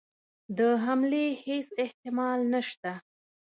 د حملې هیڅ احتمال نسته.